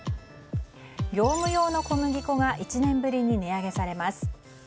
業務用の小麦粉が１年ぶりに値上げされます。